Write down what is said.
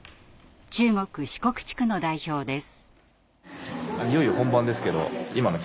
中国・四国地区の代表です。